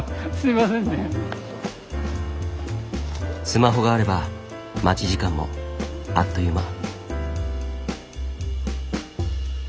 スマホがあれば待ち時間もあっという間。